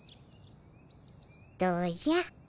どうじゃ？